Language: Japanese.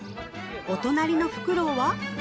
お隣のフクロウは？